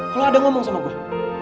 kalau ada ngomong sama gue